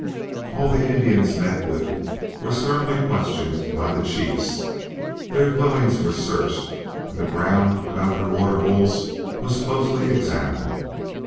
All the Indians met with were sternly questioned by the chiefs, their dwellings were searched, and the ground about their waterholes was closely examined.